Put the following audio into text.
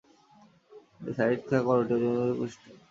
এই সাঈদ খাঁ করটিয়া জমিদারির প্রতিষ্ঠাতা।